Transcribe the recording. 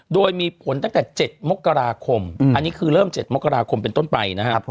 โดยมีผลตั้งแต่๗มกราคมอันนี้คือเริ่ม๗มกราคมเป็นต้นไปนะครับ